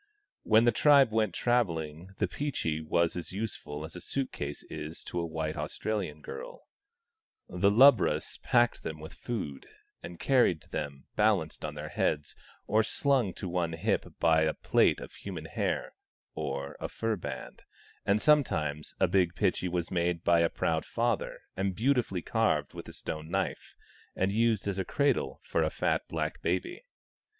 When the tribe went travelling the pitchi was as useful as a suit case is to a white Australian girl ; the lubras packed them with food, and carried them balanced on their heads, or slung to one hip by a plait of human hair, or a fur band ; and sometimes a big pitchi was made by a proud father and beautifully carved with a stone knife, and used as a cradle for a fat black baby.